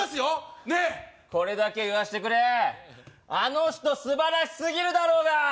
これだけ言わせてくれあの人素晴らしすぎるだろうが！